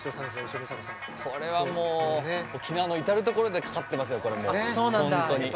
これは沖縄の至る所でかかってますよ。